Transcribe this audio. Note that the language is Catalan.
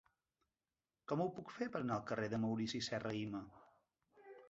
Com ho puc fer per anar al carrer de Maurici Serrahima?